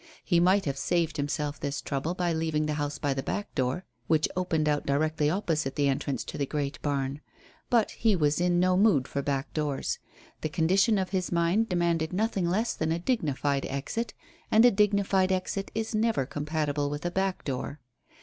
He might have saved himself this trouble by leaving the house by the back door, which opened out directly opposite the entrance to the great barn. But he was in no mood for back doors; the condition of his mind demanded nothing less than a dignified exit, and a dignified exit is never compatible with a back door.